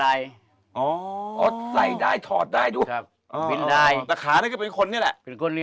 บ๊วยบ๊วยบ๊วยบ๊วยบ๊วยบ๊วยบ๊วยที่นั่งก็คือล่วงไปฮะก็เลยเอาบวงบาทนั้นมาครองของนางมณุรา